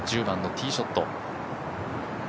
１０番のティーショット。